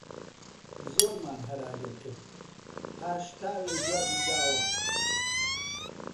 زۆرمان هەرا لێ کرد، پاش تاوێ جوابی داوە